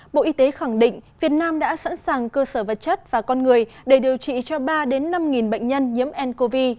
bộ y tế khẳng định việt nam đã sẵn sàng cơ sở vật chất và con người để điều trị cho ba năm bệnh nhân nhiễm ncov